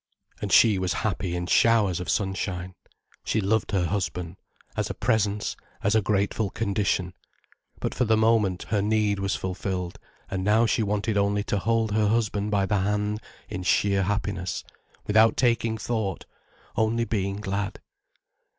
And she was happy in showers of sunshine. She loved her husband, as a presence, as a grateful condition. But for the moment her need was fulfilled, and now she wanted only to hold her husband by the hand in sheer happiness, without taking thought, only being glad.